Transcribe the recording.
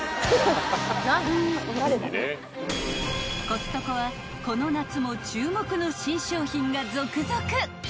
［コストコはこの夏も注目の新商品が続々！］